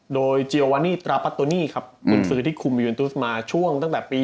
โดยเจียวานีตราปัตโตนี่ครับคุณซื้อที่คุมยูเอ็นตุสมาช่วงตั้งแต่ปี๒๕